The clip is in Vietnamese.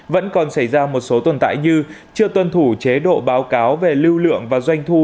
vẫn còn xảy ra một số tồn tại như chưa tuân thủ chế độ báo cáo về lưu lượng và doanh thu